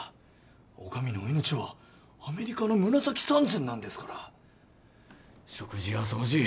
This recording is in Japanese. お上のお命はアメリカの胸先三寸なんですから食事や掃除